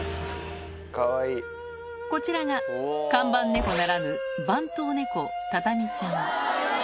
こちらが看板猫ならぬ、番頭猫、タタミちゃん。